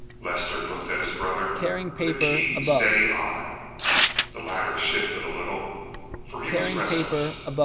Lester looked at his brother with a keen, steady eye. The latter shifted a little, for he was restless.